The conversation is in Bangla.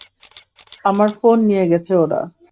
আমার ফোন নিয়ে গেছে ওরা।